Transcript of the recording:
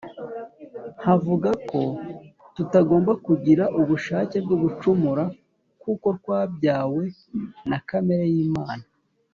havuga ko tutagomba kugira ubushake bwo gucumura kuko twabyawe na kamere y'Imana.